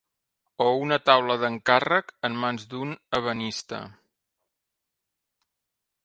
O una taula d'encàrrec en mans d'un ebenista.